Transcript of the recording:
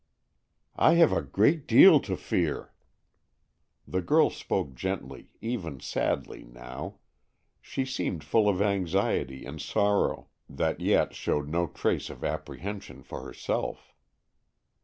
"I have a great deal to fear." The girl spoke gently, even sadly, now. She seemed full of anxiety and sorrow, that yet showed no trace of apprehension for herself.